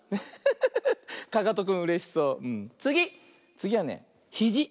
つぎはねひじ。